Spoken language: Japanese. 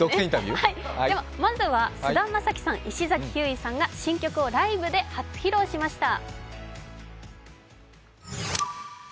まずは菅田将暉さん、石崎ひゅーいさんが新曲をライブで披露しました。